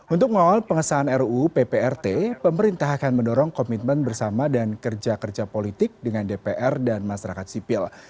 untuk mengawal pengesahan ruu pprt pemerintah akan mendorong komitmen bersama dan kerja kerja politik dengan dpr dan masyarakat sipil